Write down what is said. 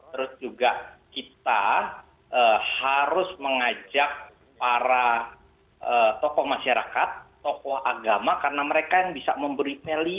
terus juga kita harus mengajak para tokoh masyarakat tokoh agama karena mereka yang bisa memberi value